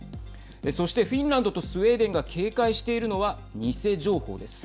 そして、フィンランドとスウェーデンが警戒しているのは偽情報です。